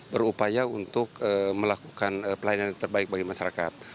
berupaya untuk melakukan pelayanan yang terbaik bagi masyarakat